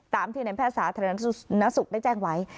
ตามที่ในแพทย์สาธารณสุขได้แจ้งไว้